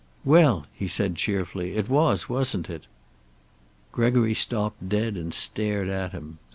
"Well?" he said cheerfully. "It was, wasn't it?" Gregory stopped dead and stared at him.